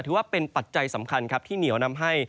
ถือว่าเป็นปัจจัยสำคัญที่เหนียวนำให้